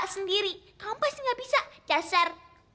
sendiri kamu pasti nggak bisa cacer